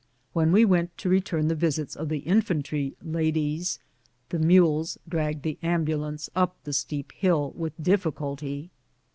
When we went to return the visits of the infantry ladies, the mules dragged the am bulance up the steep hill with difficulty.